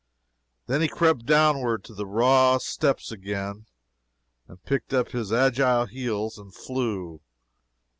Then he crept downward to the raw steps again, then picked up his agile heels and flew.